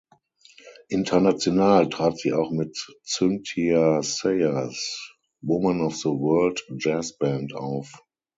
International trat sie auch mit Cynthia Sayers "Women of the World Jazz Band" auf.